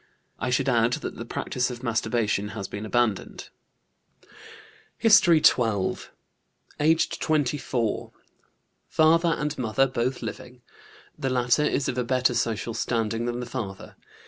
I should add that the practice of masturbation has been abandoned." HISTORY XII. Aged 24. Father and mother both living; the latter is of a better social standing than the father.